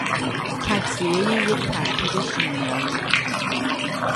تجزیهی یک ترکیب شیمیایی